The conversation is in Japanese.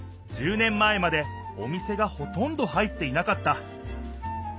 １０年前までお店がほとんど入っていなかった。